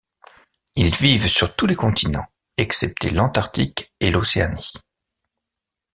Ils vivent sur tous les continents excepté l'Antarctique et l'Océanie.